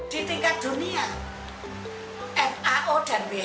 di tingkat dunia